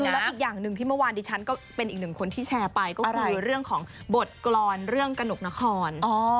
แล้วอีกอย่างหนึ่งที่เมื่อวานดิฉันก็เป็นอีกหนึ่งคนที่แชร์ไปก็คือเรื่องของบทกรรมเรื่องกระหนกนคร